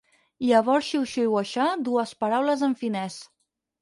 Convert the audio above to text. Llavors xiuxiuejà dues paraules en finès.